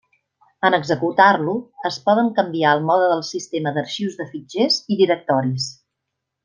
En executar-lo, es poden canviar el mode del sistema d'arxius de fitxers i directoris.